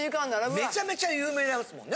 めちゃめちゃ有名ですもんね。